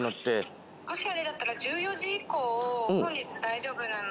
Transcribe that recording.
もしあれだったら１４時以降本日大丈夫なので。